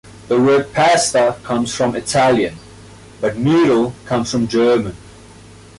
the word "pasta" comes from Italian, but "noodle" comes from German.